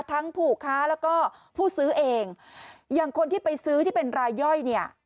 ผู้ค้าแล้วก็ผู้ซื้อเองอย่างคนที่ไปซื้อที่เป็นรายย่อยเนี่ย